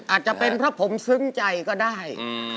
อาจจะเป็นเพราะผมซึ้งใจก็ได้